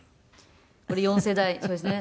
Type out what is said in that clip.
これ４世代そうですね。